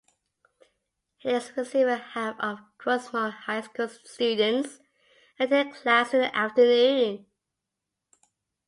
Helix, receiving half of Grossmont High School's students, attended class in the afternoon.